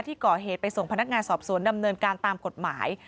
ที่ก่อเหตุไปส่งพนักงานสอบสวนดำเนินการตามกฎหมาย